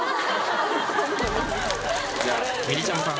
みりちゃむさん。